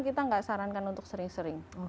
kita nggak sarankan untuk sering sering